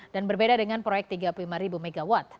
dan berbeda dengan proyek tiga puluh lima mw